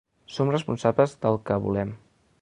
Som responsables del que volem.